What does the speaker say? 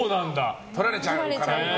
取られちゃうから。